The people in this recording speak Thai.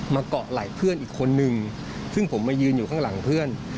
เกาะไหล่เพื่อนอีกคนนึงซึ่งผมมายืนอยู่ข้างหลังเพื่อน